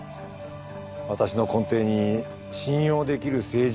私の根底に信用できる政治家が生まれた。